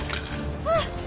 あっ！